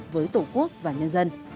với tổ quốc và nhân dân